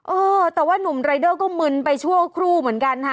เออแต่ว่านุ่มรายเดอร์ก็มึนไปชั่วครู่เหมือนกันค่ะ